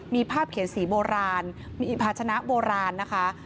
มีภาพเขียนสีโบราณมีภาชนะโบราณนะคะ